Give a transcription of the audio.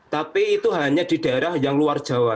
tapi itu hanya di daerah yang luar jawa